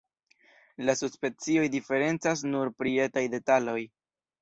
La subspecioj diferencas nur pri etaj detaloj.